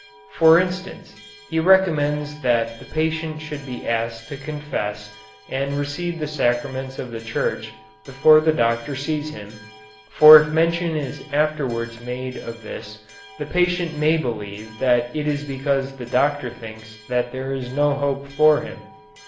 For instance, he recommends that the patient should be asked to confess and receive the sacraments of the Church before the doctor sees him, for if mention is afterwards made of this the patient may believe that it is because the doctor thinks that there is no hope for him.